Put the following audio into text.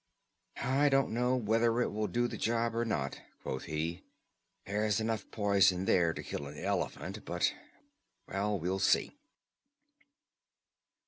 "I don't know whether it will do the job or not," quoth he. "There's enough poison there to kill an elephant, but well, we'll see."